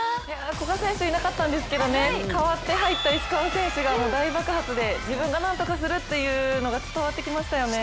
古賀選手いなかったんですけれども代わって入った石川選手が大爆発で、自分がなんとかするっていうのが伝わってきましたよね。